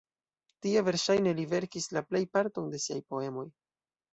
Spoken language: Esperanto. Tie, verŝajne, li verkis la plejparton de siaj poemoj.